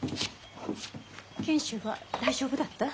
賢秀は大丈夫だった？